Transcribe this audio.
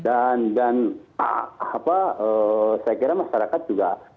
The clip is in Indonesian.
dan dan apa saya kira masyarakat juga